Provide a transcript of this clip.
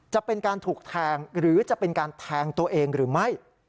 จะเป็นการถูกแทงหรือจะเป็นการแทงตัวเองหรือไม่